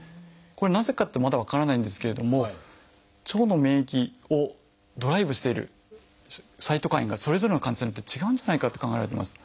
これなぜかってまだ分からないんですけれども腸の免疫ドライブしているサイトカインがそれぞれの患者さんによって違うんじゃないかって考えられてます。